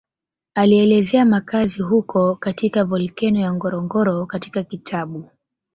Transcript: Alielezea makazi huko katika volkeno ya Ngorongoro katika kitabu